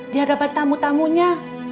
di hadapan tamu tamunya